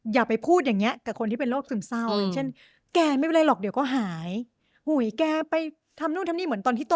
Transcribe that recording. อย่าไปพูดอย่างเนี้ยกับคนที่เป็นโรคซึมเศร้าอย่างเช่น